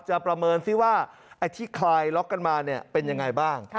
จะประเมินซิว่าอาทิตย์คลายล็อกกันมาเป็นยังไงบ้าง